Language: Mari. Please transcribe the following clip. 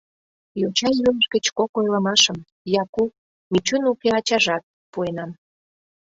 Йоча илыш гыч кок ойлымашым — «Яку», «Мичун уке ачажат» — пуэнам.